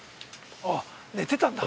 あっ寝てたんだ。